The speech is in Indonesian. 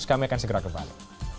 kami akan segera kembali